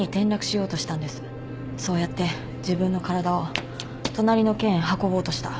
そうやって自分の体を隣の県へ運ぼうとした。